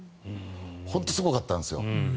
本当にすごかったんですよ。